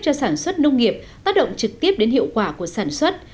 cho sản xuất nông nghiệp tác động trực tiếp đến hiệu quả của sản xuất